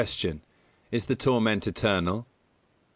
_Is the torment eternal?